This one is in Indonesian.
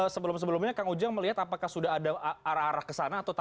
sebelum sebelumnya kang ujang melihat apakah sudah ada arah arah kesana atau tidak